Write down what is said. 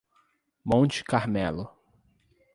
Monte Carmelo